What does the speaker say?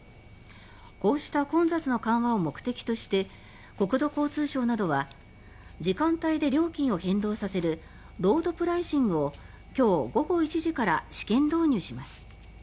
こうした混雑の緩和を目的として国土交通省などは時間帯で料金を変動させるロードプライシングを今日午後１時から試験導入します。